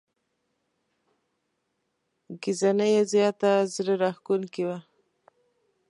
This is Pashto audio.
ګهیځنۍ یې زياته زړه راښکونکې وه.